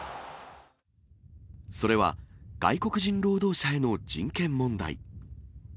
それは、外国人労働者への人権問題。